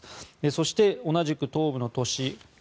そして、同じく東部の都市